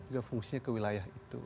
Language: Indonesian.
ya fungsinya ke wilayah itu